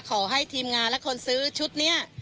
ขอให้ทีมงานและคนซื้อชุดนี้